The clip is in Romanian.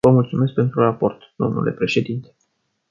Vă mulțumesc pentru raport, dle președinte.